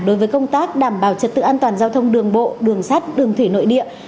đối với công tác đảm bảo trật tự an toàn giao thông đường bộ đường sắt đường thủy nội địa